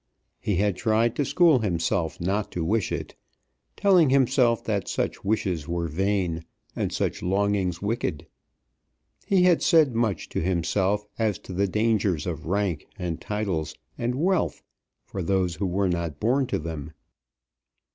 He had tried to school himself not to wish it, telling himself that such wishes were vain, and such longings wicked; he had said much to himself as to the dangers of rank and titles and wealth for those who were not born to them.